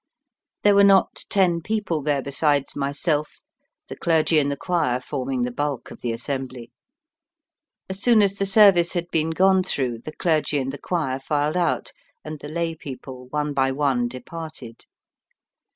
There were not ten people there besides myself, the clergy and the choir forming the bulk of the assembly. As soon as the service had been gone through, the clergy and the choir filed out, and the lay people one by one departed.